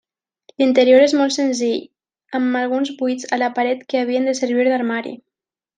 L'interior és molt senzill, amb alguns buits a la paret que havien de servir d'armari.